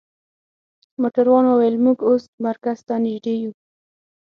موټروان وویل: موږ اوس مرکز ته نژدې یو.